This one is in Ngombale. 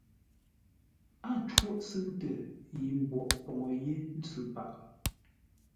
Á cwôʼ sʉ̂ʉtə yi mbwoʼ poŋə yé ntsʉ paghʼə.